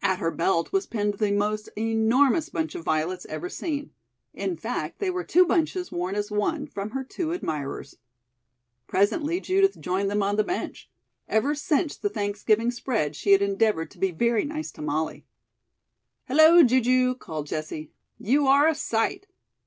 At her belt was pinned the most enormous bunch of violets ever seen. In fact, they were two bunches worn as one, from her two admirers. Presently Judith joined them on the bench. Ever since the Thanksgiving spread she had endeavored to be very nice to Molly. "Hello, Ju ju!" called Jessie; "you are a sight."